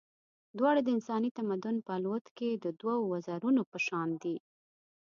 دواړه د انساني تمدن په الوت کې د دوو وزرونو په شان دي.